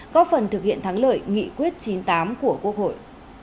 có phần thực hiện thắng lợi nghị quyết chín mươi tám của quốc hội